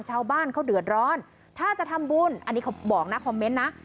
ชาวบ้านเขาเดือดร้อนถ้าจะทำบุญอันนี้เขาบอกนะคอมเมนต์นะ